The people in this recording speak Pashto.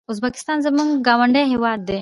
ازبکستان زموږ ګاونډی هيواد ده